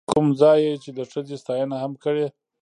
کوم ځاى يې چې د ښځې ستاينه هم کړې،،